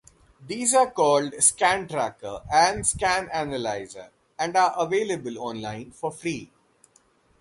These are called "scantracker" and "scanalyser" and are available online for free.